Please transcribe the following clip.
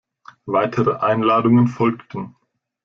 Weitere Einladungen folgten.